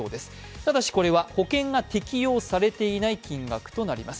ただしこれは保険が適用されていない金額となります。